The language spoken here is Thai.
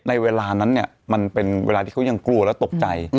เวลานั้นเนี่ยมันเป็นเวลาที่เขายังกลัวแล้วตกใจ